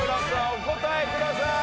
お答えください。